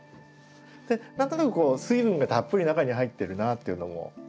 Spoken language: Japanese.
何となくこう水分がたっぷり中に入ってるなっていうのも。